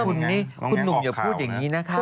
คุณนุ่มอย่าพูดอย่างนี้นะครับ